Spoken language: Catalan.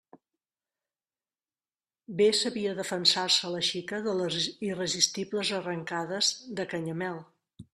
Bé sabia defensar-se la xica de les irresistibles arrancades de Canyamel!